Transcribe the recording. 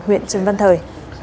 huyện trần văn thời